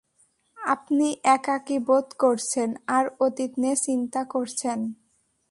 আপনি একাকী বোধ করছেন আর অতীত নিয়ে চিন্তা করছেন।